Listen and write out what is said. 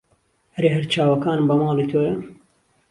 ئەرێ هەر چاوەکانم بە ماڵی تۆیە